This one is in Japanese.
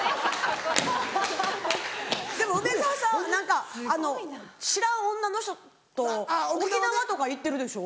でも梅沢さん何かあの知らん女の人と沖縄とか行ってるでしょ？